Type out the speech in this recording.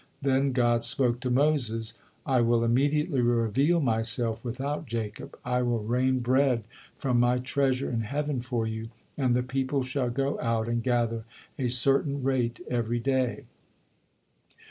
Then God spoke to Moses: "I will immediately reveal Myself without Jacob, 'I will rain bread from My treasure in heaven for you; and the people shall go out and gather a certain rate every day.'"